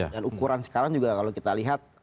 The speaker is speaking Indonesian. dan ukuran sekarang juga kalau kita lihat